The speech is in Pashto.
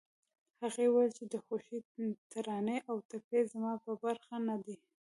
هغې وويل چې د خوښۍ ترانې او ټپې زما په برخه نه دي